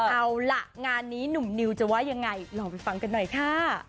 เอาล่ะงานนี้หนุ่มนิวจะว่ายังไงลองไปฟังกันหน่อยค่ะ